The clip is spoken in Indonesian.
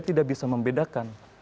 tidak bisa membedakan